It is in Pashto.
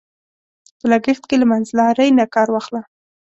په لګښت کې له منځلارۍ نه کار واخله.